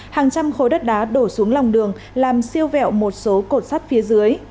hàng trăm khối đất đá đổ xuống lòng đường làm siêu vẹo một số cột sắt phía dưới